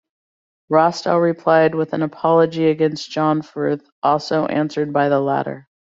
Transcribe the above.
Rastell replied with an "Apology against John Fryth", also answered by the latter.